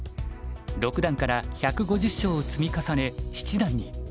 六段から１５０勝を積み重ね七段に。